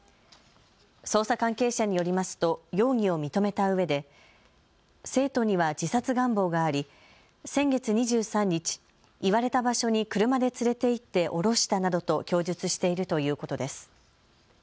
捜査関係者によりますと容疑を認めたうえで生徒には自殺願望があり先月２３日、言われた場所に車で連れて行って降ろしたなどと供述しているということです。